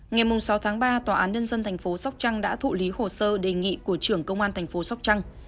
ngày sáu tháng ba tòa án nhân dân tp sóc trăng đã thụ lý hồ sơ đề nghị của trưởng công an tp sóc trăng